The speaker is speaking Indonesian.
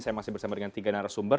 saya masih bersama dengan tiga narasumber